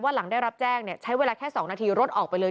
หลังได้รับแจ้งใช้เวลาแค่๒นาทีรถออกไปเลย